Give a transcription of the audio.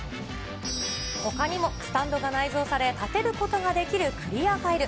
ほかにも、スタンドが内蔵され、立てることができるクリアーファイル。